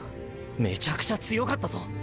めちゃくちゃ強かったぞ。